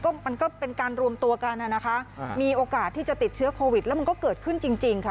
ก็มันก็เป็นการรวมตัวกันนะคะมีโอกาสที่จะติดเชื้อโควิดแล้วมันก็เกิดขึ้นจริงจริงค่ะ